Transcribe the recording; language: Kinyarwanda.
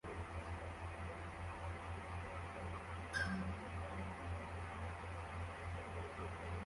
Itsinda ryabantu bategura ifunguro mugikoni gito